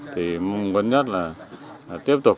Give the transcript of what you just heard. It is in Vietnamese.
thì mong muốn nhất là tiếp tục